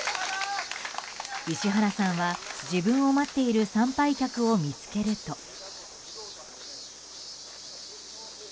石原さんは自分を待っている参拝客を見つけると。